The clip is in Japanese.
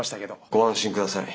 ご安心ください。